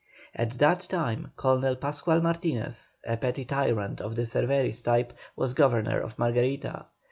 At that time Colonel Pascual Martinez, a petty tyrant of the Cervéris type, was governor of Margarita.